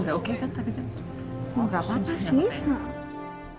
gak apa apa sih